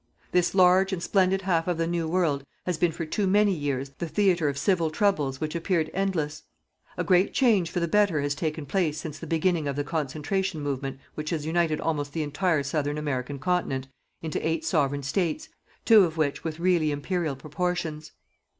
This large and splendid half of the New World has been for too many years the theatre of civil troubles which appeared endless. A great change for the better has taken place since the beginning of the concentration movement which has united almost the entire Southern American Continent into eight Sovereign States, two of which with really Imperial proportions.